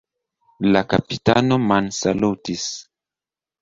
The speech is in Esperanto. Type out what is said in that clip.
La kapitano mansalutis.